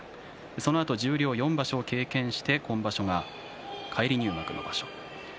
そのあと十両４場所経験して今場所が返り入幕の場所。